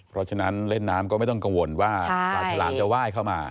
เพราะฉะนั้นเล่นน้ำก็ไม่ต้องกังวลว่าฝ่ายฉลามจะไหว้เข้ามา